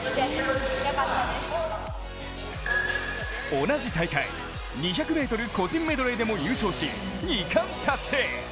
同じ大会、２００ｍ個人メドレーでも優勝し、２冠達成。